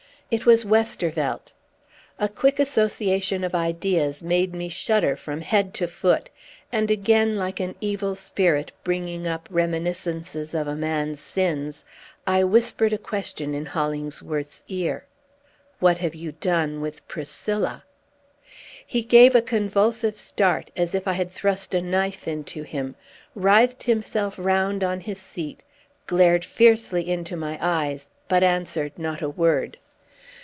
It was Westervelt. A quick association of ideas made me shudder from head to foot; and again, like an evil spirit, bringing up reminiscences of a man's sins, I whispered a question in Hollingsworth's ear, "What have you done with Priscilla?" He gave a convulsive start, as if I had thrust a knife into him, writhed himself round on his seat, glared fiercely into my eyes, but answered not a word.